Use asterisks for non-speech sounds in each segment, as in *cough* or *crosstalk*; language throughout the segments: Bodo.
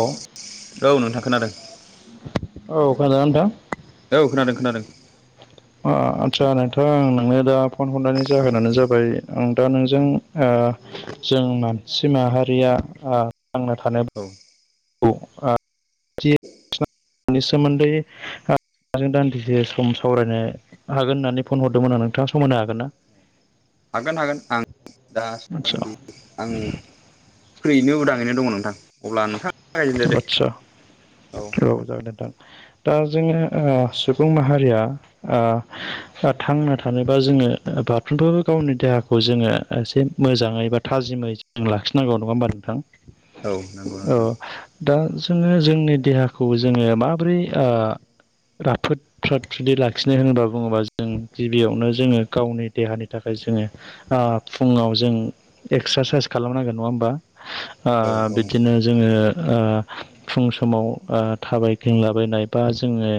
औ औ औ नोंथां खोनादों खोनादोंना नोंथां? औ खोनादों खोनादों। अ आचसा नोंथां आं नोंनो दा फन हरनायनि जाहोनानो जाबाय आं दा नोंजों ओ जों मानसि माहारिया थांनो थानो औ। औ आ नि सोमोन्दै दान्दिसे सम सावरायनो हागोन होननानै फन हरदोंमोन आं नोंथाङा समायनो हागोन ना? हागोन हागोन आं आदसा दागां आंनि फैयैनो उदाङैनो दङ। नोंथां अब्ला नोंथां आदसा औ जागोन दे नोंथां। दा जोङो सुबुं माहारिया थांना थानोबा जोङो साफ्रामबो गावनि देहाखौ जोङो एसे मोजाङै बा थाजिमै आ लाखि नांगौ नङाोमबा नोंथां। औ नंगौ औ नोंथां। दा जोङो जोंनि देहाखौ जोङो माबोरै राफोद फ्रात फ्रुददि लाखिनो होनोबा बुङोबा जों गिबियावनो जोङो गावनि देहानि थाखाय जोङो फुङाव जों एक्सारसाइस खालामनांगोन नङा होमबा ओ औ बिदिनो जोङो ओ फुं समाव ओ थाबाय थिंलाबायनाय बा जोङो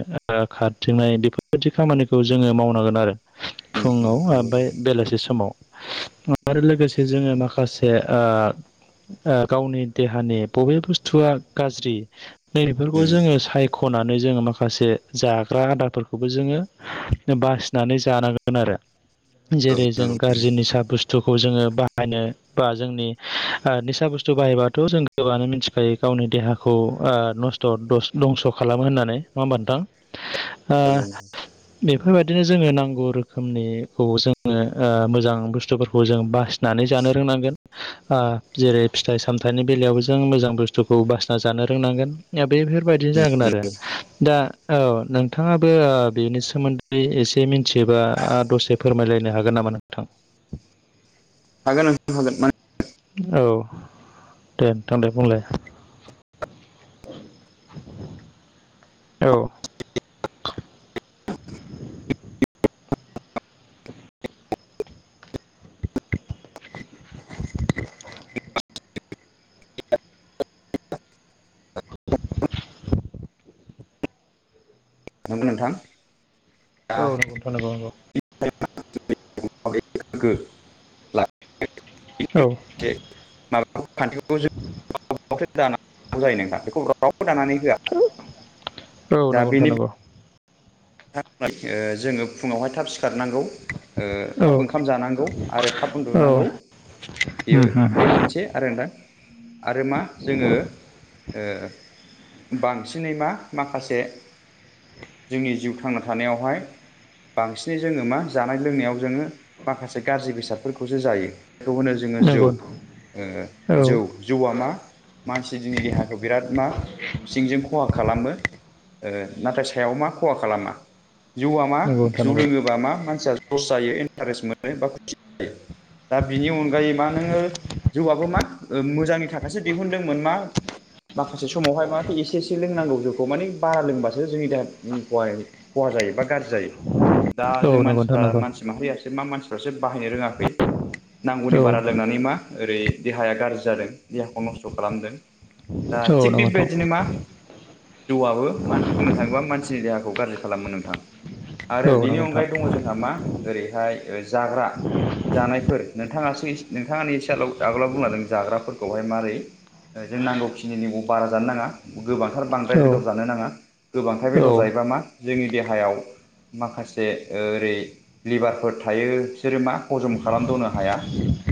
खारथिंनाय बेफोरबायदि खामानिखौ जोङो मावनांगोन आरो उम उम फुङाव नंगौ ओमफ्राय नोंथां बेलासि समाव आरो लोगोसे जोङो माखासे गावनि देहानि बबे बुस्थु थुआ गाज्रि नैे उम जोङो साय खनानै जोङो माखासे जाग्रा आदारफोरखौबो जोङो बासिनानै जानांगोन आरो। औ जेरै जों नंगौ गाज्रिनि साहा बुस्थु बुस्थखौ जोङो बाहायनो बा जोंनि ओ निसा बुस्थु बाहायबाथ' जों गोबाङानो मिथि खायो गावनि देहाखौ ओ नस्थ' *unintelligible* दंस' खालामो होननानै नङा होमबा नोथां ओ बेफोरबायदिनो जोङो नांगौ रोखोमनिखौ जोङो ओ मोजां बुस्थुफोरखौ जों बासि होननानै जानो रोंनांगोन ओ जेरै फिथाइ सामथाइनि बेलायावबो जों मोजां बुस्थु बुस्थुखौ बासिना जानो रोंनांगोन दा बेफोरबायदि जागोन आरो दा औ नोंथाङाबो बेनि सोमोन्दै एसे मिथियोबा दसे फोरमायलायनो हागोन नामा नोंथां? हागोन नोंथां हागोन मानो औ दे थां दे बुंलाय औ। *unintelligible* नोंथां दा औ नंगौ नंगौ। *unintelligible* *unintelligible* औ। *unintelligible* *unintelligible* जायो नोंथां बेखौ रावबो दानानै होआ औ नंगौ नोंथां नंगौ। ओ जोङो फुङावहाय थाब सिखारनांगौ ओ औ थाब ओंखाम जानांगौ आरो थाब औ उन्दुनांगौ बेयो उम बे मोनसे आरो दा आरो मा जोङो ओ बांसिनै मा माखासे जोंनि जिउ थांना थानायावहाय बांसिनै जोङो मा जानाय लोंनायाव जोङो माखासे गाज्रि बेसादफोरखौसो जायो। खौ होनो जोङो जौ नंगौ ओ औ जौ जौआ मा मानसि जोंनि देहाखौ बिराद मा सिंजों खहा खालामो ओ नाथाय सायाव मा खहा खालामा। जौआ मा नंगौ नोंथां जौ नंगौ लोङोबा मा मानसिया जस जायो इन्टारेस्ट मोनो बा खुसि जायो। दा बिनि अनगायै मा नोङो जौआबो मा ओ मोजांनि थाखायसो दिहुनदोंमोन मा माखासे समावहाय माथो एसे एसे लोंनांगौ जौखौ मानि बारा लोंबासो जोंनि देहा *unintelligible* खहा जायो बा गाज्रि जायो दा औ जों नंगौ नोंथां मानसिफ्रा नंगौ मानसि माहारियासो मा मानसि फ्रासो बाहायनो रोङाखै नांगौनि औ बारा लोंनानै मा ओरै देहाया गाज्रि जादों देहाखौ नस्थ' खालामदों। दा औ थिग नंगौ नोंथां बेबायदिनो मा जौआबो मा बुंनो थाङोबा मानसिनि देहाखौ गाज्रि खालामो नोंथां औ आरो बेनि नंगौ नोंथां अनगायै दङ जोंहा मा ओरैहाय जाग्रा जानायफोर नोंथाङासो नोंथाङानो एसे आ आगोलाव बुंलादों जाग्राफोरखौहाय मारै जों नांगौखिनिनिबो बारा जानो नाङा। गोबांथार बांद्राय औ बेदर जानो नाङा गोबांथार औ बेदर जायोबा मा जोंनि देहायाव माखासे ओरै लिभारफोर थायो बिसोरो मा हजम खालामदनो हाया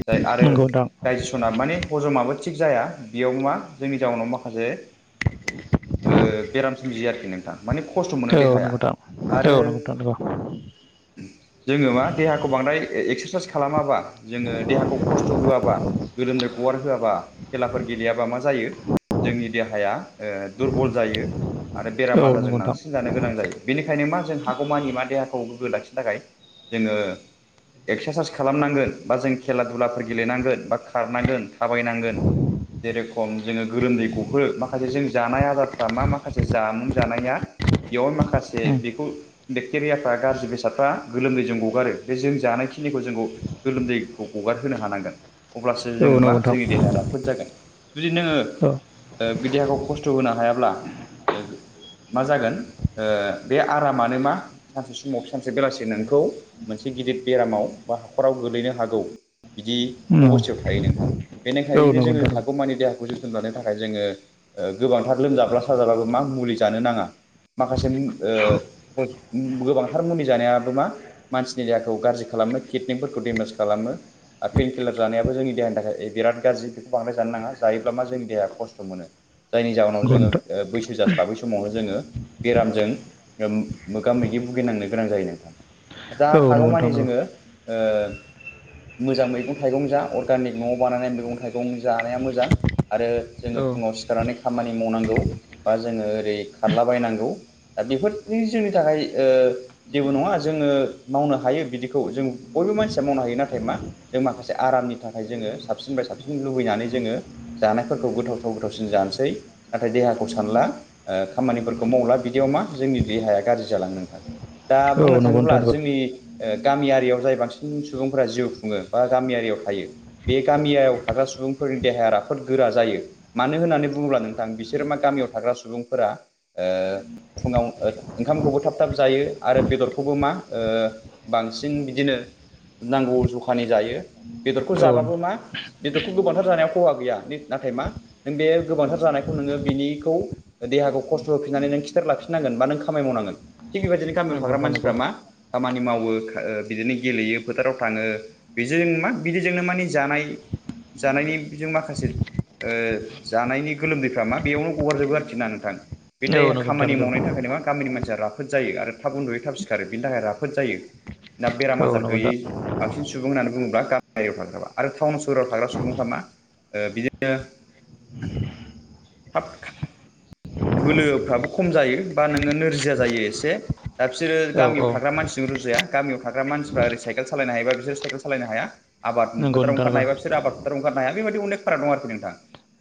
जाय नंगौ नोंथां औ नंगौ नोंथां औ नंगौ नोंथां आरो नंगौ औ डाइजेसना माने हजमाबो थिग जाया बेयाव मा जोंनि जाउनाव माखासे ओ बेराम सोमजियो आरोखि नोंथां मानि खस्थ' मोनो देहाया आरो जोंङो मा देहा देहाखौ बांद्राय एकस्रासाइस खालामाबा जोङो देहाखौ खस्थ' होआबा गोलोमदै गगार होआबा खेलाफोर गेलेयाबा मा जायो जोंनि देहाया ओ दुरबल जायो आरो बेराम आजारजों नंगौ नोंथां नारसिनजानो गोनां जायो बेनिखायनो मा जों हागौमानि मा देहाखौ गोग्गो लाखिनो थाखाय जोङो एक्सारसाइस खालामनांगोन बा जों खेला दुलाफोर गेलेनांगोन बा खारनांगोन थाबायनांगोन। जेरेखम जोङो गोरोमदै गहो माखासे जों जानाय आदारफ्रा मा माखासे जामुं जानाया बेयाव माखासे उम बेखौ बेक्टेरियाफ्रा गाज्रि बेसादफ्रा गोलोमदै जों गगारो बे जों जानायखिनिखौ जोंखौ गोलोमदैखौ हगारहोनो हानांगोन। अब्लासो औ जोङो नंगौ मा नोंथां जोंनि देहाया राफोद जागोन जुदि नोङो *unintelligible* ओ बे देहाखौ खस्थ' होनो हायाब्ला मा जागोन ओ बे आरामानो मा सानसे समाव सानसे बेलासि नोंखौ मोनसे गिदिर बेरामाव बा हाखराव गोलैनो हागौ बिदि उम अबस्थायाव थायो नोंथां। औ बेनिखायनो नंगौ जोङो नोंथां हागौमानि देहाखौ जोथ सोगानो थाखाय जोङो गोबांथार लोमजाब्ला साजाब्लाबो मा मुलि जानो नाङा। माखासे मु ओ गोबांथार मुलि जानायाबो मा मानसिनि देहाखौ गाज्रि खालामो किडनिफोरखौ डेमेज खालामो। आर पैेन किलार जानायाबो जोंनि देहानि थाखाय बिराद गाज्रि बेखौ बांदाय जानो नाङा जायोब्ला मा जोंनि देहाया खस्थ' मोनो। जायनि जाहोनाव नंगौ जोङो ओ बैसो जास्लाबै समावनो जोङो बेरामजों मोगा मोगि भुगिनांनो गोनां जायो नोंथां। जा नोंथां औ नंगौ नोंथां हागौमानि नंगौ जोङो ओ मोजां मैगं थाइगं जा अरगानिक न'आव बानायनाय मैगं थाइगं जानाया मोजां। आरो जोङो औ फुङाव सिखारनानै खामानि मावनांगौ बा जोङो ओरै खारलाबायनांगौ। दा बेफोरनि जोंनि थाखाय ओ जेबो नङा जोङो मावनो हायो बिदिखौ जों बयबो मानसिया मावनो हायो नाथाय मा जों माखासे आरामनि थाखाय जोङो साबसिननिफ्राय साबसिन लुबैनानै जोङो जानायफोरखौ गोथावथाव गोथावसिन जानोसै नाथाय देहाखौ सानला ओ खामानिफोरखौ मावला बिद दियाव मा जोंनि देहाया गाज्रि जालाङो नोंथां दा बुंनो औ नंगौ नोंथां थाङोब्ला नंगौ जोंनि ओ गामियारियाव जाय बांसिन सुबुंफोरा जिउ खुङो बा गामियारियाव थायो बे गामियाव थाग्रा सुबुंफोरनि देहाया राफोद गोरा जायो। मानो होननानै बुङोब्ला नोंथां बिसोर मा गामियाव थाग्रा सुबुंफोरा ओ फुङाव ओंखामखौबो थाब थाब जायो आरो बेदरखौबो मा ओ बांसिन बिदिनो नांगौ जखानि जायो बेदरखौ औ जाबाबो मा बेदरखौ गोबांथार जानायाव खहा गैया नाथाय मा नों बे गोबांथार जानायखौ नोङो बिनिखौ देहाखौ खस्थ' होफिननानै नों खि थेर लाखिननांगोन बा नों खामानि मावनांगोन थिग बेबायदिनो गामियाव थाग्रा नंगौ नोंथां मानसिफ्रा नंगौ मा खामानि मावो खो बिदिनो गेलेयो फोथाराव थाङो। बेदिजों मा बिदिजोंनो माने जानाय जानायनिजों माखासे ओ जानायनि गोलोमदैफ्रा मा बेयावनो गगारजोबो आरोखि ना नोंथां बे टाइ औ नंगौ नोंथां खामानि नंगौ मावनायनि थाखायनो मा गामिनि मानसिया राफोद जायो आरो थाब उन्दुयो थाब सिखारो बिनि थाखाय राफोद जायो। ना बेराम औ आजार नंगौ गैयै नोंथां बांसिन सुबुं होननानै बुङोब्ला गामियारियाव थाग्राफ्रा आरो टाउन सोहोराव थाग्रा सुबुंफ्रा मा ओ बिदिनो थाब बोलोफ्राबो खम जायो बा नोङो नोरजिया जायो एसे। दा बिसोरो औ गामियाव औ थाग्रा मानसिजों रुजु जाया गामियाव थाग्रा मानसिफ्रा ओरै साइकेल सालायनो हायोबा बिसोर साइकेल सालायनो हाया। आबाद नंगौ फोथाराव नोंथां ओंखारनो नंगौ हायोबा बिसोर आबाद फोथाराव ओंखारनो हाया बेबायदिनो अनेक फाराग दं आरोखि नोंथां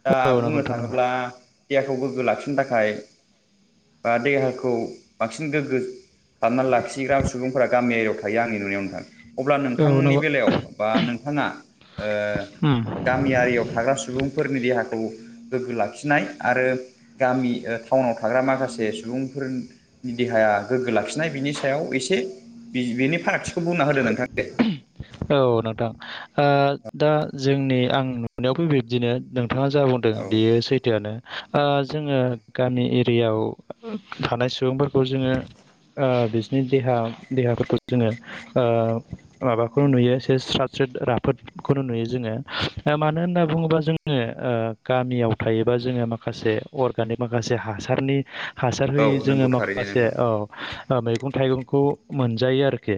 दा औ नंगौ बुंनो नोंथां थाङो ब्ला नंगौ देहाखौ गोग्गो लाखिनो थाखाय बा देहाखौ बांसिन गोग्गो हाबना लाखिग्रा सुबुंफोरा गामि एरियायाव थायो आंनि नुनायाव नोंथां। अब्ला औ नोंथांनि नंगौ बेलायाव बा नोंथाङा ओ उम गामियारियाव थाग्रा सुबुंफोरनि देहाखौ गोग्गो लाखिनाय आरो गामि ओ टाउनाव थाग्रा माखासे सुबुंफोर देहाया गोग्गो लाखिनाय बिनि सायाव एसे बेनि फारागथिखौ बुंना होदो नोंथां दे। औ नोंथां ओ दा जोंनि आं नुनायावबो बिब्दिनो नोंथाङा जा बुंदों। औ बेयो सैथोआनो। ओ जोङो गामि एरियायाव थानाय सुबुंफोरखौ जोङो ओ बिसिनि देहा देहाफोरखौ जोङो ओ माबाखौ नुयो स्राद स्रिद राफोदखौनो नुयो जोङो मानो होनना बुङोब्ला जोङो ओ गामियाव थायोबा जोङो माखासे अर्गानिक माखासे हासारनि हासार औ होयो जोङो नंगौ थारैनो माखासे नोंथां औ ओ मैगं थाइगंखौ मोनजायो आरोखि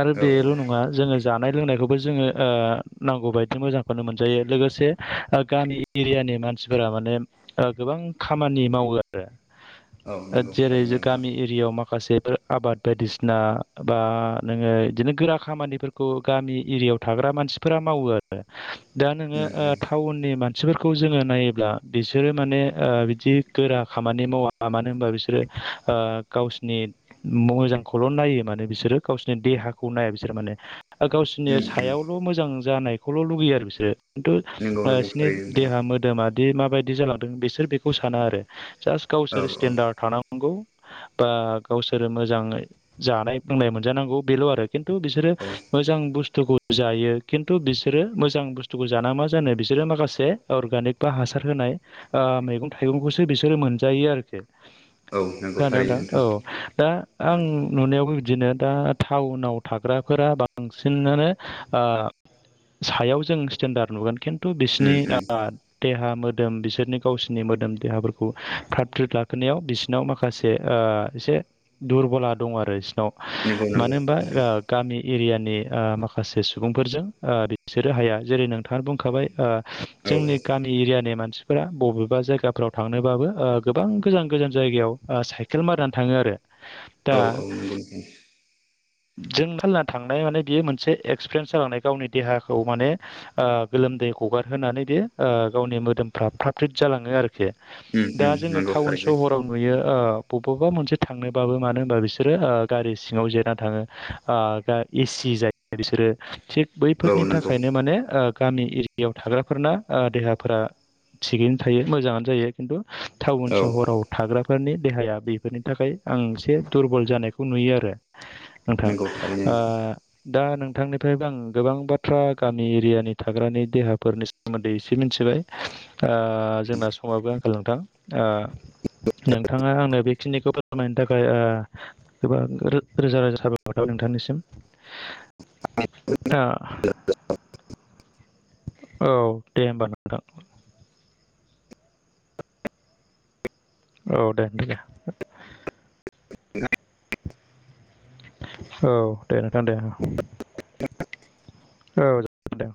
आरो औ औ बेल' नङा जो जा नाय लोंनायखौबो जोङो ओ नांगौ बायदि मोजांखौनो मोनजायो लोगोसे ओ गामि एरियानि मानसिफोरा माने ओ गोबां खामानि मावो आरो। औ ओद नंगौ जेरै थारैनो जो नोंथां गामि ए माखासे आबाद बायदिसिना बा नोङो बिदिनो गोरा खामानिफोर खु गामि एरियायाव थाग्रा मानसिफोरा मावो आरो दा नोङो उम टाउननि मान सिफोरखौ जोङो नायोब्ला बिसोरो माने बिदि गोरा खामानि मावा। मा मानो होनबा बिसोरो ओ गावसिनि मजांखौल' नायो माने बिसोरो गावसोरनि देहाखौ नाया बिसोर माने। ओ गावसोरनि उम उम सायावल' मोजां जानायखौल' लुगैयो आरो बिसोर। थु नंगौ ओ नंगौ इसगरनि थारैनो नोंथां देहा मोद मोदोमादि मा बायदि जालांदों बिसोर बेखौ साना आरो जास्ट औ गावसोर स्टेडार्ड थानांग बा गावसोरो मोजाङै जानाय लोंनाय मोनजानांगौ बेल' आरो‌। खिन्थु बिसोरो औ मोजां बुस्थुखौ जायो खिन्थु बिसोरो मोजां बुस्थुखौ जाना मा जानो बिसोरो माखासे अर्गानिक बा हासार होनाय ओ मैगं औ थाइगंखौसो बिसोरो मोनजायो आरोखि। औ नंगौ खोनादों थारैनो नोंथां औ दा आं उम नुनायावबो बिदिनो दा टाउनाव थाग्राफोरा बा बांसिना ओ सायाव जों स्टेन्डार्ड नुगोन खिन्थ थु बिसिनि उम उम ओ देहा मोदोम बिसोरनि गावसोरनि मोदोम देहाफोरखौ फ्राद फ्रिद लाखिनायाव बिस सिरनाव माखासे ओ एसे दुरबला दङ आरो बिसोरनाव। नंगौ नंगौ मानो होनोबा नोंथां ओ गामि एरियानि ओ माखासे सुबुंफोरजों ओ बिसोरो हाया जेरै नों थांङानो बुंखाबाय ओ औ जोंनि औ गामि एरियानि मानसिफोरा बबेबा जायगाफ्राव थांनोबाबो ओ गोबां गोजान गोजान जायगायाव सेइक केल मारिनानै थाङो आरो। दा औ औ नंगौ नोंथां। जों खाना थांनाय माने बियो मोनसे एक्सपिरियेन्स जालांनाय गावनि देहाखौ माने ओ गोलोमदै हगारहोनानै बि गावनि मोदोमफ्रा फ्रा फ्रिद जालाङो आरोखि। उम दा उम जोङो नंगौ टाउन थारैनो सहराव नुयो ओ बबबा मोनसे थांनोबाबो मानो होनबा बिसोरो ओ गारि सिङाव जेनान थाङो ओ एसि जायो बिसोरो थिग औ बैफोरनि नंगौ थाखायनो माने ओ गामि एरियायाव थाग्राफोरना ओ देहाफोरा थिगैनो थायो मोजाङानो जायो। खिन्थु टाउन औ सहराव थाग्राफोरनि देहाया बेफोरनि थाखाय आं एसे दुरबल जानायखौ नुयो आरो। नोंथां नंगौ थारैनो नोंथां ओ दा नोंथांनिफ्राय आं गोबां बाथ्रा गामि एरियानि थाग्रानि देहाफोरनि सोमोन्दै एसे मिथिबाय जोंना समाबो आंखाल नोंथां। नोंथाङा आंनो बेखिनिखौ फोरमायनो थाखाय गोबां रोजा रोजा थाबाय बाथाव नोंथांनिसिम ओ औ दे होनोमबा न *inaudible* औ दे दे। औ दे नोंथां दे। औ जागोन दे।